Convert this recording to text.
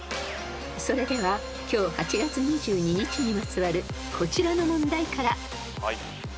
［それでは今日８月２２日にまつわるこちらの問題から］